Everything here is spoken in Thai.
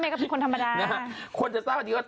เขาก็เป็นคนธรรมดาเดินบิน